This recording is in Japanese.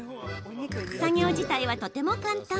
作業自体はとても簡単。